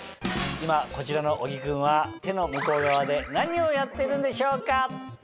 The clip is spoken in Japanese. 今こちらの小木君は手の向こう側で何をやってるんでしょうか？